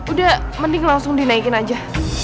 udah mending langsung dinaikin aja